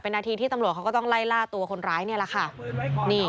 เป็นนาทีที่ตำรวจเขาก็ต้องไล่ล่าตัวคนร้ายเนี่ยแหละค่ะเอาปืนไว้ก่อนพี่